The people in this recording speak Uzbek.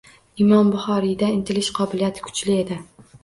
Imom Buxoriyda intilish, qobiliyat kuchli edi.